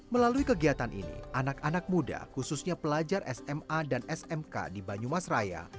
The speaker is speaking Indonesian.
melalui kegiatan ini anak anak muda khususnya pelajar sma dan smk di banyumas raya